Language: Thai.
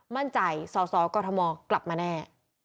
มั่นใจสสกมกลับมาแน่